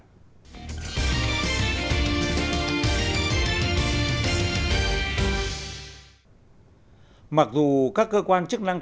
các doanh nghiệp này có ba triệu tỷ đồng ba triệu tỷ đồng có ba triệu tỷ đồng có ba triệu tỷ đồng